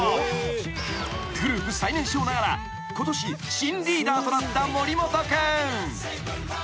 ［グループ最年少ながらことし新リーダーとなった森本君］